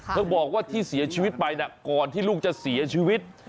บอกว่าที่เสียชีวิตไปนะก่อนที่ลูกจะเสียชีวิต